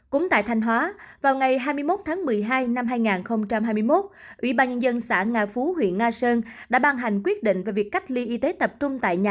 cũng tại thanh hóa vào ngày hai mươi một tháng một mươi hai năm hai nghìn hai mươi một ủy ban nhân dân xã nga phú huyện nga sơn đã ban hành quyết định về việc cách ly y tế tập trung tại nhà